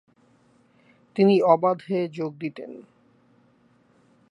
তিনি অবাধে যোগ দিতেন।